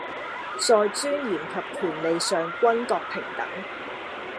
在尊嚴及權利上均各平等